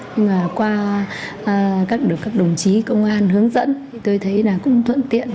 nhưng mà qua được các đồng chí công an hướng dẫn thì tôi thấy là cũng thuận tiện